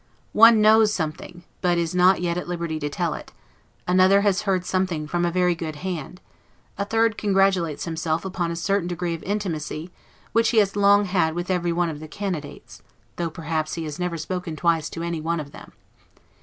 One KNOWS SOMETHING, but is not yet at liberty to tell it; another has heard something from a very good hand; a third congratulates himself upon a certain degree of intimacy, which he has long had with everyone of the candidates, though perhaps he has never spoken twice to anyone of them.